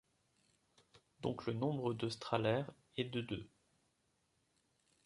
Donc le nombre de Strahler est de deux.